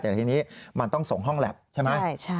แต่ทีนี้มันต้องส่งห้องแล็บใช่ไหม